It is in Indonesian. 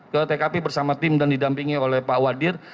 ke tkp bersama tim dan didampingi oleh pak wadir